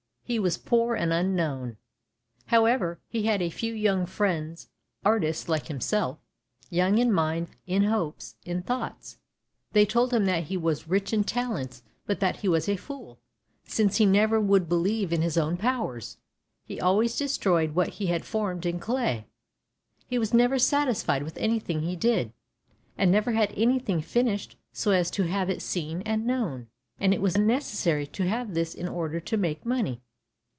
He was poor and unknown; however, he had a few young friends, artists like himself, young in mind, in hopes, in thoughts. They told him that he was rich in talents but that he was a fool, since he never would believe in his own powers. He always destroyed what he had formed in clay; he was never satisfied with any thing he did, and never had anything finished so as to have it seen and known, and it was necessary to have this in order to make money.